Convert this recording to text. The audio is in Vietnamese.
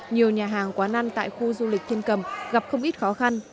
nhiều nhà hàng quán ăn tại khu du lịch thiên cầm gặp không ít khó khăn